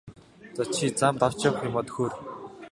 За чи замд авч явах юмаа төхөөр!